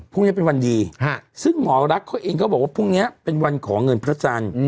พรุ่งนี้เป็นวันดีซึ่งหมอรักเขาเองก็บอกว่าพรุ่งนี้เป็นวันขอเงินพระจันทร์